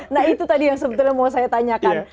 nah itu tadi yang sebetulnya mau saya tanyakan